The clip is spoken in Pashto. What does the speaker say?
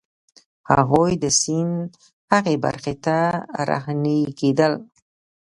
هغوی د سیند هغې برخې ته رهنيي کېدل.